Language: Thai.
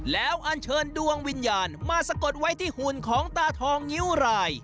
แล้วอันเชิญดวงวิญญาณมาสะกดไว้ที่หุ่นของตาทองนิ้วราย